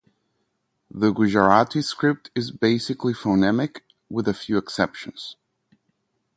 The Gujarati script is basically phonemic, with a few exceptions.